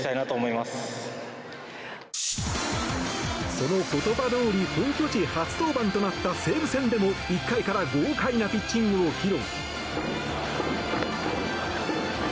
その言葉どおり本拠地初登板となった西武戦でも１回から豪快なピッチングを披露。